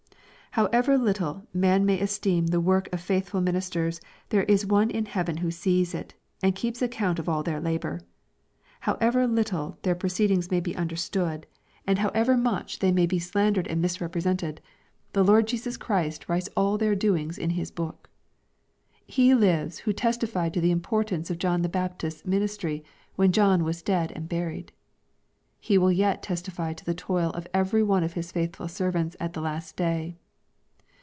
However little man may esteem the work of faithful ministers there is One in heaven who sees it, and keeps account of all their labor. However little their pro* ceediogs may be understood, and however much they /■\ 322 EXPOSITORY THOUGHTS. may be slandered and misrepresented, the Lord Jesu« Christ writes all their doings in His book. He lives who testified to the importance of John the Baptist's minis try when John was dead and buried. He will yet testify to the toil of every one of His faithful servants at the last day.